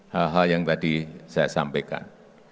hal hal yang tadi saya sampaikan